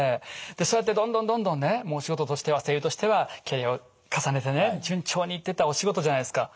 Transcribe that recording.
そうやってどんどんどんどんねもうお仕事としては声優としてはキャリアを重ねてね順調にいってたお仕事じゃないですか。